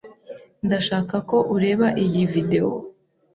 Ndashaka ko ureba iyi videwo.